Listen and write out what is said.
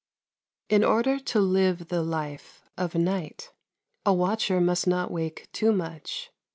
In order to live the life of night, a watcher must not wake too much.